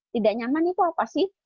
tidak nyaman itu apa sih